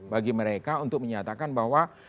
bagi mereka untuk menyatakan bahwa